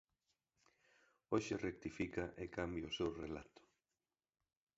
Hoxe rectifica e cambia o seu relato.